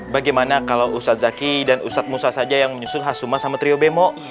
bagaimana kalo ustadz zaky dan ustadz musa saja yang menyusul hasuma sama trio bemo